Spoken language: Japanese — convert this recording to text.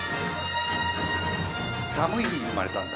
寒い日に生まれたんだ。